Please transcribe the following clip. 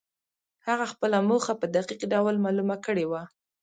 هغه خپله موخه په دقيق ډول معلومه کړې وه.